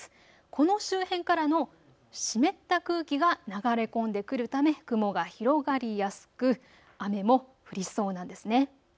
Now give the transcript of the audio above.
この周辺からの湿った空気が流れ込んでくるため雲が広がりやすく雨も降りそうなんですね。